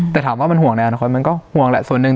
แต่ถามว่ามันห่วงในอนาคตมันก็ห่วงแหละส่วนหนึ่ง